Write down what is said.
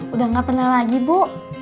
udah gak kenal lagi bu